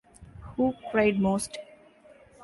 Who cried most?